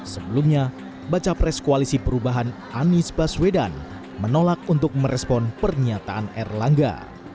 sebelumnya baca pres koalisi perubahan anies baswedan menolak untuk merespon pernyataan erlangga